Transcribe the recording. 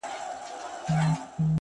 • له مکتبه له مُلا يې ستنولم,